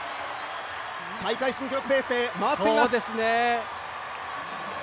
大会新記録ペースで回っています。